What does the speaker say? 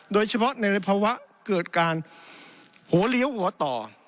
โดยเฉพาะในภาวะเกิดการหัวเลี้ยวหัวต่อ